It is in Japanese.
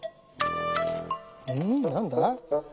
うん？何だ？